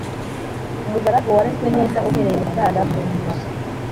Umugaragu warezwe neza uhereye mu bwana bwe